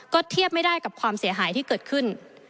ก็เทียบไม่ได้กับความเสียหายที่เกิดขึ้น